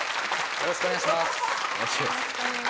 よろしくお願いします